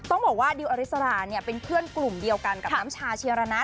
ต้องบอกว่าดิวอริสราเนี่ยเป็นเพื่อนกลุ่มเดียวกันกับน้ำชาเชียรณะ